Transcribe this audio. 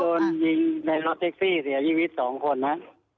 โดนยิงในรถแท็กซี่เสียชีวิต๒คนฮะ